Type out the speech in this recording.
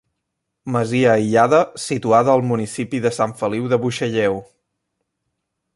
Masia aïllada, situada al municipi de Sant Feliu de Buixalleu.